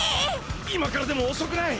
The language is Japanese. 今からでもおそくない！